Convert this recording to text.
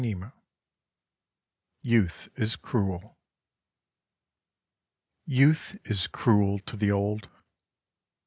YOUTH IS CRUEL YOUTH is cruel to the old.